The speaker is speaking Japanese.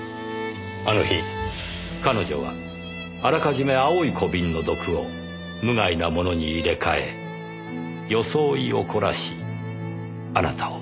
あの日彼女はあらかじめ青い小瓶の毒を無害なものに入れ替え装いを凝らしあなたを家へ招いた。